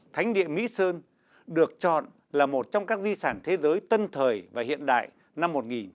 thánh địa mỹ sơn được chọn là một trong các di sản thế giới tân thời và hiện đại năm một nghìn chín trăm bảy mươi